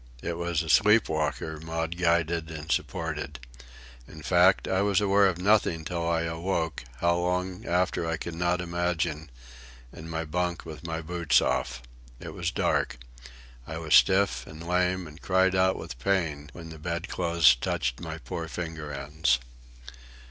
It was a sleep walker Maud guided and supported. In fact, I was aware of nothing till I awoke, how long after I could not imagine, in my bunk with my boots off. It was dark. I was stiff and lame, and cried out with pain when the bed clothes touched my poor finger ends.